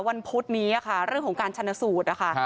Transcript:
วันพุธนี้ค่ะเรื่องของการชนะสูตรค่ะ